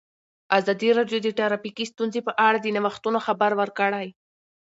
ازادي راډیو د ټرافیکي ستونزې په اړه د نوښتونو خبر ورکړی.